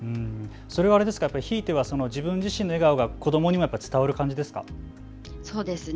それはひいては自分自身の笑顔が子どもにも伝わる感じですか。